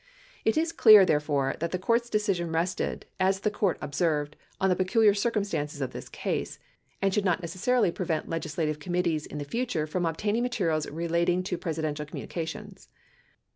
It is clear, therefore, that the court's decision rested, as the court observed, on "the peculiar circumstances of this case", and should not necessarily prevent legislative committees in the future from obtain ing materials relating to Presidential communications.